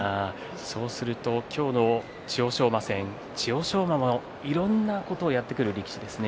そうすると今日の千代翔馬戦千代翔馬もいろんなことをやってくる力士ですね。